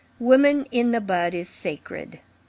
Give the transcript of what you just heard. Woman in the bud is sacred.